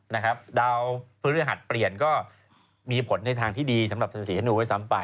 นะครับดาวพฤหัสเปลี่ยนก็มีผลในทางที่ดีสำหรับสาธารณสีทะนูไว้ซ้ำไป